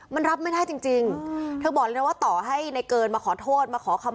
มันรับไม่ได้จริงจริงเธอบอกเลยว่าต่อให้ในเกินมาขอโทษมาขอคำ